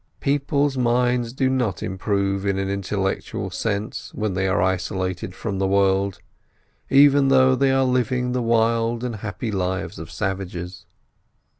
People's minds do not improve in an intellectual sense when they are isolated from the world, even though they are living the wild and happy lives of savages.